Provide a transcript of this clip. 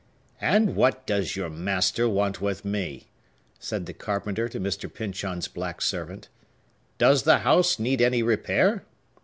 "And what does your master want with me?" said the carpenter to Mr. Pyncheon's black servant. "Does the house need any repair?